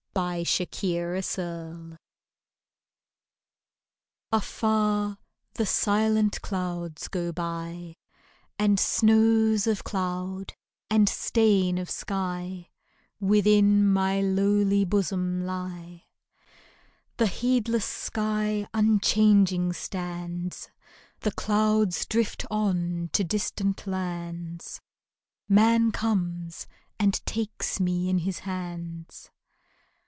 3» THE WILD IRIS Afar the silent clouds go by, And snows of cloud and stain of sky Within my lowly bosom lie. The heedless sky unchanging stands; The clouds drift on to distant lands; Man comes and takes me in his hands.